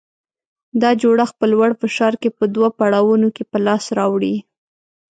دا جوړښت په لوړ فشار کې په دوه پړاوونو کې په لاس راوړي.